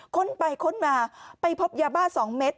ค้นไปค้นมาไปพบยาบ้า๒เม็ด